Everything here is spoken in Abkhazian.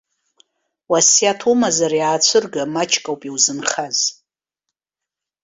Уасиаҭ умазар иаацәырга, маҷк ауп иузынхаз!